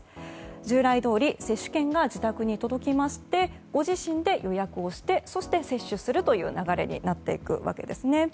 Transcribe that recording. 従来どおり接種券が自宅に届きまして、ご自身で予約をして、そして接種をする流れになっていくわけです。